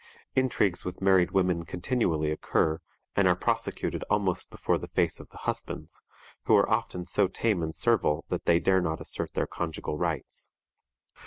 Intrigues with married women continually occur, and are prosecuted almost before the face of the husbands, who are often so tame and servile that they dare not assert their conjugal rights.